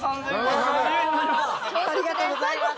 ありがとうございます。